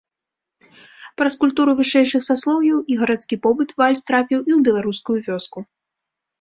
Праз культуру вышэйшых саслоўяў і гарадскі побыт вальс трапіў і ў беларускую вёску.